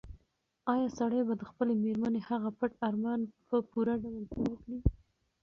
ایا سړی به د خپلې مېرمنې هغه پټ ارمان په پوره ډول پوره کړي؟